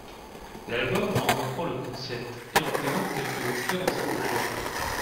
L’album en reprend le concept et en présente quelques extraits dans sa pochette.